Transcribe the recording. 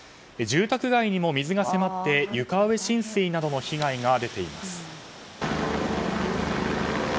住宅街にも水が迫って床上浸水などの被害が出ています。